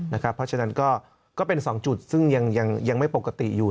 เพราะฉะนั้นก็เป็น๒จุดซึ่งยังไม่ปกติอยู่